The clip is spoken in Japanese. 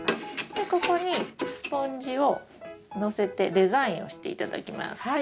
じゃあここにスポンジをのせてデザインをして頂きます。